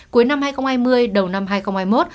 cuối năm hai nghìn hai mươi đầu năm hai nghìn hai mươi một